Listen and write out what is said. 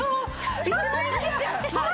１万円切っちゃう？